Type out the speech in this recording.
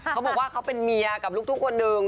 เขาบอกว่าเขาเป็นเมียกับลูกทุกคนนึง